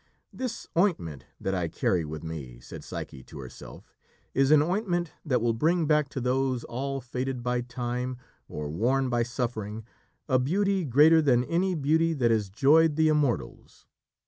"This ointment that I carry with me," said Psyche to herself, "is an ointment that will bring back to those all faded by time, or worn by suffering, a beauty greater than any beauty that has joyed the Immortals!"